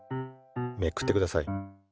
めくってください。